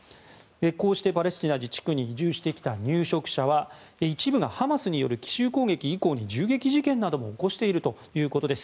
こうしてパレスチナ自治区に移住してきた入植者は一部がハマスによる奇襲攻撃以降に銃撃事件なども起こしているということです。